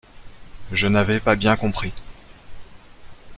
Je n'avais pas bien compris.